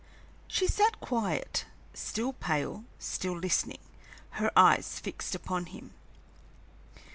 She sat quiet, still pale, still listening, her eyes fixed upon him.